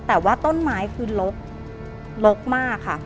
แต่ว่าต้นไม้คือลกลกมากค่ะ